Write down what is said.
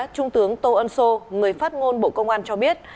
trung tướng tô ân sô người phát ngôn bộ công an cho biết